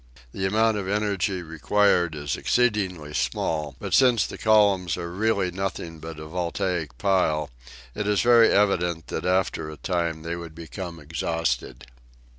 The amount of energy required is exceedingly small, but since the columns are really nothing but a voltaic pile, it is very evident that after a time they would become exhausted.